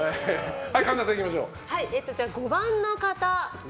５番の方。